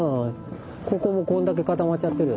ここもこんだけ固まっちゃってる。